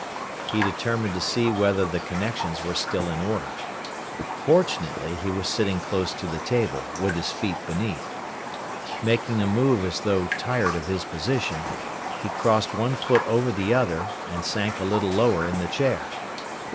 He determined to see whether the connections were still in order. Fortunately he was sitting close to the table, with his feet beneath. Making a move as though tired of his position, he crossed one foot over the other, and sank a little lower in the chair.